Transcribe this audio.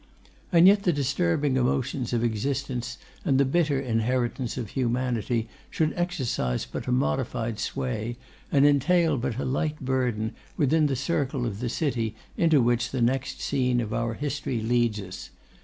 And yet the disturbing emotions of existence and the bitter inheritance of humanity should exercise but a modified sway, and entail but a light burden, within the circle of the city into which the next scene of our history leads us.